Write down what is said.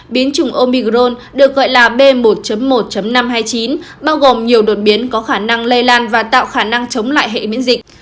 biến chủng omi gron được gọi là b một một năm trăm hai mươi chín bao gồm nhiều đột biến có khả năng lây lan và tạo khả năng chống lại hệ miễn dịch